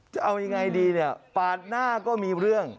จะเอายังไงดีเนี่ยปาดหน้าก็มีเรื่อง